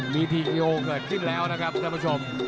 มีทีโคเกิดขึ้นแล้วนะครับคุณผู้ชม